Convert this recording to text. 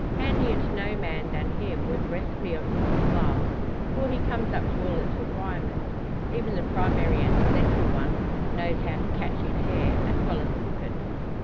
Handier to no man than him were the recipe of Mrs Glass, for he comes up to all its requirements even the primary and essential one knows how to catch his hare as well as cook it.